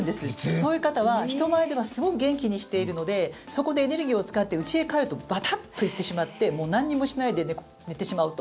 そういう方は、人前ではすごく元気にしているのでそこでエネルギーを使ってうちへ帰るとバタッといってしまって何もしないで寝てしまうと。